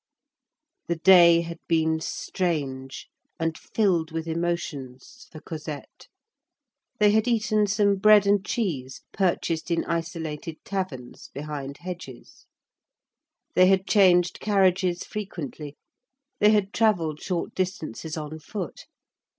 The day had been strange and filled with emotions for Cosette. They had eaten some bread and cheese purchased in isolated taverns, behind hedges; they had changed carriages frequently; they had travelled short distances on foot.